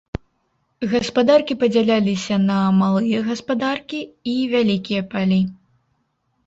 Гаспадаркі падзяляліся на малыя гаспадаркі і вялікія палі.